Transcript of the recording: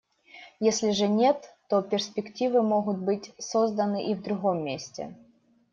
Если же нет, то перспективы могут быть созданы и в другом месте.